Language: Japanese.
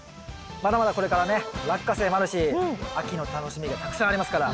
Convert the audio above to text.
まだまだこれからねラッカセイもあるし秋の楽しみがたくさんありますから。